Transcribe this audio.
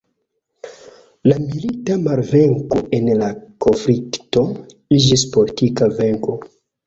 La milita malvenko en la konflikto iĝis politika venko.